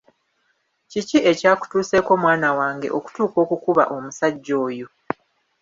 Kiki ekyakutuuseeko mwana wange okutuuka okukuba omusajja oyo?